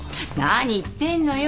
何言ってんのよ。